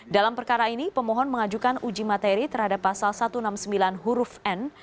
dalam perkara ini pemohon mengajukan uji materi terhadap pasal satu ratus enam puluh sembilan huruf n